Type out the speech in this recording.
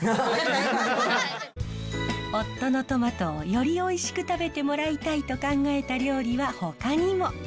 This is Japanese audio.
夫のトマトをよりおいしく食べてもらいたいと考えた料理はほかにも。